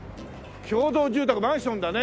共同住宅マンションだね。